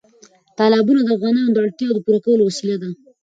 تالابونه د افغانانو د اړتیاوو د پوره کولو وسیله ده.